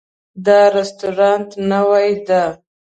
دا رستورانت نوی ده